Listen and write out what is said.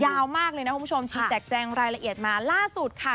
ยาวมากเลยนะคุณผู้ชมฉีดแจกแจงรายละเอียดมาล่าสุดค่ะ